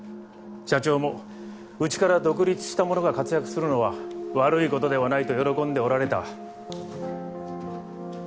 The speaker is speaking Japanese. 社長もうちから独立した者が活躍するのは悪い事ではないと喜んでおられた。